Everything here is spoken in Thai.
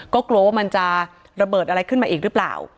ก็กลัวว่ามันจะระเบิดอะไรขึ้นมาอีกหรือเปล่า